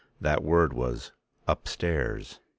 That word was "upstairs."